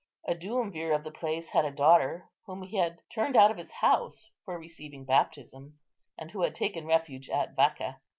A duumvir of the place had a daughter whom he had turned out of his house for receiving baptism, and who had taken refuge at Vacca.